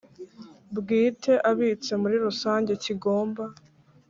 bwite abitse muri rusange kigomba